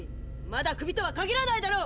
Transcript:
まだクビとは限らないだろ！